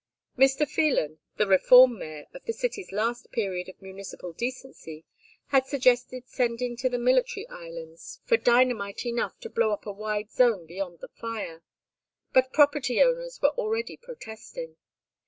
Mr. Phelan, the "Reform Mayor" of the city's last period of municipal decency had suggested sending to the military islands for dynamite enough to blow up a wide zone beyond the fire; but property owners were already protesting.